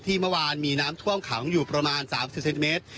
เมื่อวานมีน้ำท่วมขังอยู่ประมาณ๓๐เซนติเมตร